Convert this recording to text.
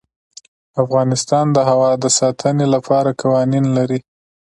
افغانستان د هوا د ساتنې لپاره قوانین لري.